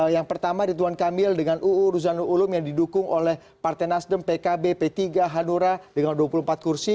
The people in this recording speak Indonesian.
yang pertama ridwan kamil dengan uu ruzanul ulum yang didukung oleh partai nasdem pkb p tiga hanura dengan dua puluh empat kursi